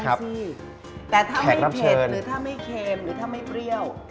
สิแต่ถ้าไม่เผ็ดหรือถ้าไม่เค็มหรือถ้าไม่เปรี้ยว